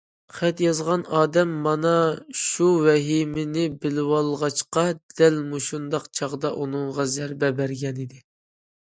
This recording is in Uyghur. خەت يازغان ئادەم مانا شۇ ۋەھىمىنى بىلىۋالغاچقا، دەل مۇشۇنداق چاغدا ئۇنىڭغا زەربە بەرگەنىدى.